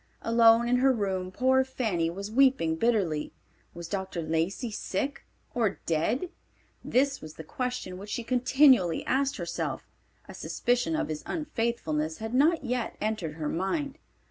Alone in her room poor Fanny was weeping bitterly. Was Dr. Lacey sick or dead? This was the question which she continually asked herself. A suspicion of his unfaithfulness had not yet entered her mind.